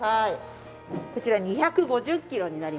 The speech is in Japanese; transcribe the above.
こちら２５０キロになりますね。